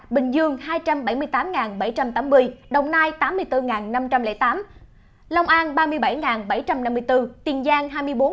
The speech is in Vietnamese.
bình dương hai trăm bảy mươi tám bảy trăm tám mươi đồng nai tám mươi bốn năm trăm linh tám lòng an ba mươi bảy bảy trăm năm mươi bốn tiền giang hai mươi bốn hai trăm ba mươi chín